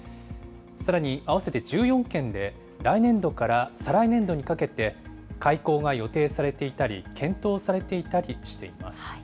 さらに合わせて１４県で、来年度から再来年度にかけて開校が予定されていたり、検討されていたりしています。